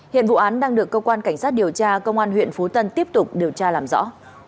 hiện vụ án đang được cơ quan cảnh sát điều tra công an huyện phú tân tiếp tục điều tra làm rõ